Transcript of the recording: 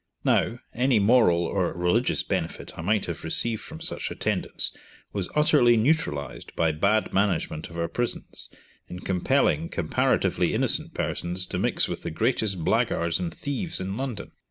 Now any moral or religious benefit I might have received from such attendance was utterly neutralized by bad management of our prisons, in compelling comparatively innocent persons to mix with the greatest blackguards and thieves in London.